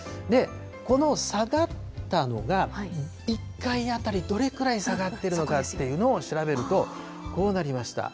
この下がったのが１回当たりどれぐらい下がっているのかというのを調べるとこうなりました。